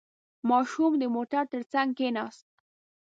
• ماشوم د مور تر څنګ کښېناست.